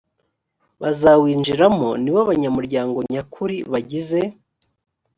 bazawinjiramo nibo banyamuryango nyakuri bagize